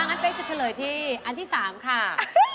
งั้นเป๊กจะเฉลยที่อันที่๓ค่ะ